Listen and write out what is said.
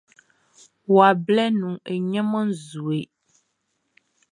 Wawa blɛ nunʼn, e ɲanman nʼzue.